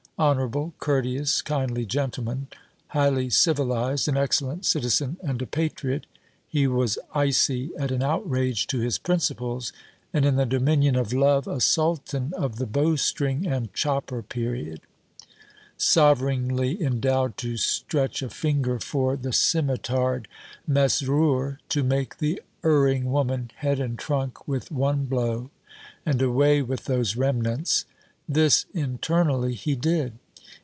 Honourable, courteous, kindly gentleman, highly civilized, an excellent citizen and a patriot, he was icy at an outrage to his principles, and in the dominion of Love a sultan of the bow string and chopper period, sovereignly endowed to stretch a finger for the scimitared Mesrour to make the erring woman head and trunk with one blow: and away with those remnants! This internally he did.